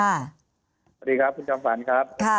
สวัสดีครับคุณจอมฝันครับ